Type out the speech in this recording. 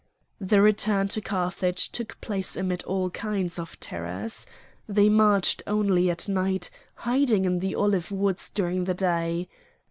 The return to Carthage took place amid all kinds of terrors. They marched only at night, hiding in the olive woods during the day.